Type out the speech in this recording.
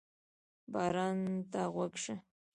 باران ته غوږ شه.